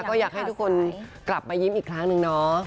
ก็อยากให้ทุกคนกลับมายิ้มอีกครั้งหนึ่งเนาะ